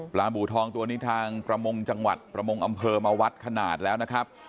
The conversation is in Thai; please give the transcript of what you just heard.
หมูทองตัวนี้ทางประมงจังหวัดประมงอำเภอมาวัดขนาดแล้วนะครับ